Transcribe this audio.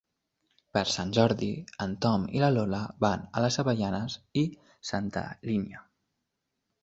Per Sant Jordi en Tom i na Lola van a les Avellanes i Santa Linya.